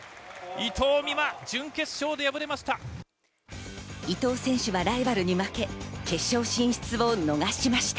伊藤美誠、準決勝で敗れました。